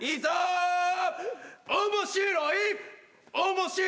「面白い面白い」